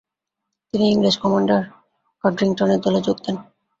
তিনি ইংরেজ কমান্ডার কডরিংটনের দলে যোগ দেন।